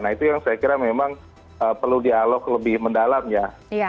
nah itu yang saya kira memang perlu dialog lebih mendalam ya